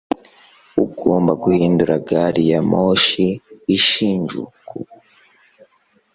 Ugomba guhindura gari ya moshi i Shinjuku.